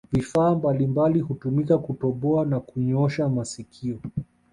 Vifaa mbalimbali hutumika kutoboa na kunyosha masikio